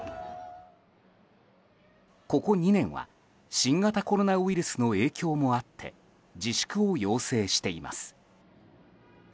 ここ２年は新型コロナウイルスの影響もあって自粛を要請しています。